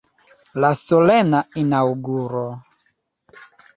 La solena inaŭguro.